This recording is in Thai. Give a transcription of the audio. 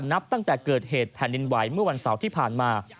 นับตั้งแต่เกิดเหตุแผ่นดินไหวเมื่อวันเสาร์ที่ผ่านมา